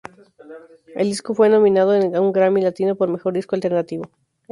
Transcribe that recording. El disco fue nominado a un Grammy Latino por Mejor Disco Alternativo.